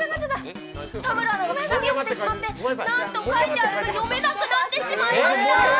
田村アナがくしゃみをしてしまってなんと書いてあるか読めなくなってしまいました。